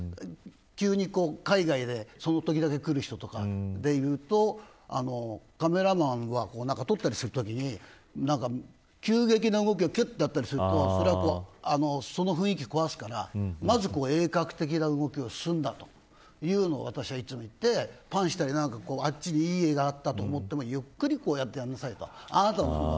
急に海外でそのときだけ来る人とかカメラマンは撮ったりするときに急激な動きをやったりするとその雰囲気を壊すからまず鋭角的な動きをするなというのを私はいつも言って、パンしたりあっちに、いい絵があったと思っても、ゆっくりやりなさいよ